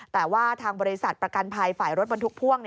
แต่ว่าทางบริษัทประกันภัยฝ่ายรถบรรทุกพ่วง